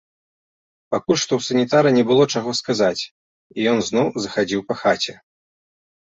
Пакуль што ў санітара не было чаго сказаць, і ён зноў захадзіў па хаце.